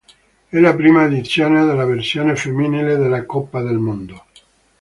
È la prima edizione della versione femminile della Coppa del Mondo.